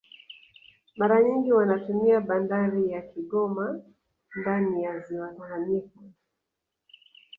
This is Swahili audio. Mara nyingi wanatumia bandari ya Kigoma ndani ya ziwa Tanganyika